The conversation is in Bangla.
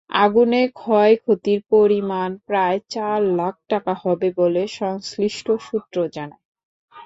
আগুনে ক্ষয়ক্ষতির পরিমাণ প্রায় চার লাখ টাকা হবে বলে সংশ্লিষ্ট সূত্র জানায়।